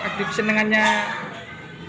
aktif senangannya farel apa mas